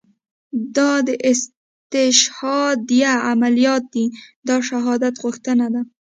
دا استشهاديه عمليات دي دا شهادت غوښتنه ده.